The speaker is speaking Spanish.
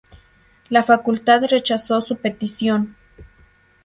La facultad rechazó su petición.